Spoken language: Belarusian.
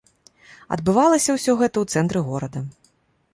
Адбывалася ўсё гэта ў цэнтры горада.